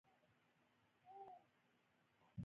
دوکاندار خپل سامانونه مرتب ساتي.